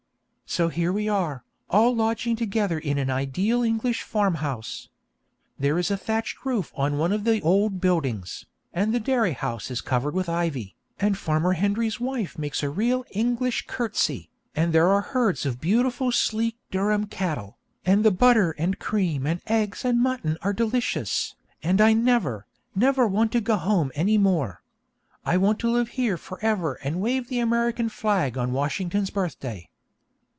So here we are, all lodging together in an ideal English farmhouse. There is a thatched roof on one of the old buildings, and the dairy house is covered with ivy, and Farmer Hendry's wife makes a real English curtsey, and there are herds of beautiful sleek Durham cattle, and the butter and cream and eggs and mutton are delicious, and I never, never want to go home any more. I want to live here for ever and wave the American flag on Washington's birthday.